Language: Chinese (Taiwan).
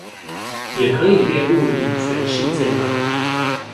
也可以列入女權事件嗎